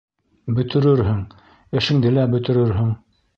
- Бөтөрөрһөң, эшеңде лә бөтөрөрһөң.